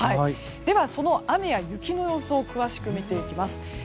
では、雨や雪の予想を詳しく見ていきます。